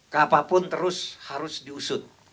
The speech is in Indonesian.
keapapun terus harus diusut